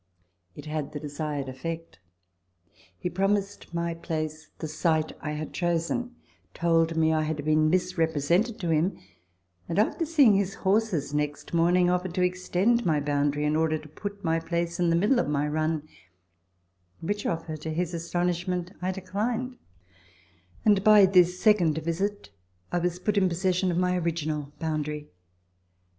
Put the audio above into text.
It had the desired effect. He promised my place the site I had chosen, told me I had been misrepre sented to him, and after seeing his horses next morning, offered to extend my boundary in order to put my place in the middle of my run, which offer, to his astonishment, I declined, and by this second visit I was put in possession of my original boundary.